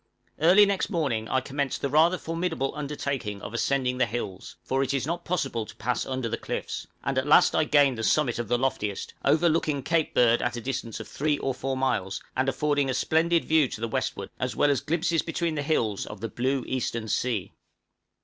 Early next morning I commenced the rather formidable undertaking of ascending the hills, for it is not possible to pass under the cliffs, and at last I gained the summit of the loftiest, overlooking Cape Bird at a distance of 3 or 4 miles, and affording a splendid view to the westward, as well as glimpses between the hills of the blue eastern sea.